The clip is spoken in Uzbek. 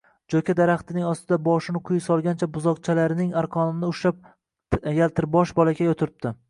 Joʻka daraxtining ostida boshini quyi solgancha buzoqchalarining arqonini ushlab yaltirbosh bolakay oʻtiribdi.